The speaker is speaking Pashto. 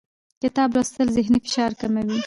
کتاب لوستل ذهني فشار کموي